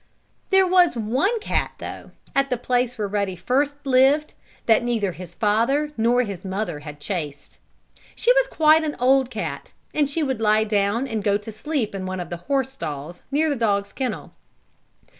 There was one cat, though, at the place where Ruddy first lived, that neither his father nor his mother had chased. She was quite an old cat, and she would lie down and go to sleep in one of the horse stalls, near the dog's kennel.